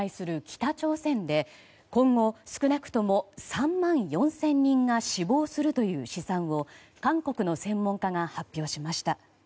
北朝鮮で今後少なくとも３万４０００人が死亡するという試算を韓国の専門家が発表しました。